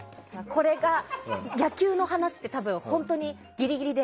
これが野球の話って本当にギリギリで。